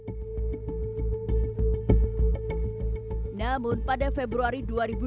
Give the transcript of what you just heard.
namun pada februari dua ribu dua puluh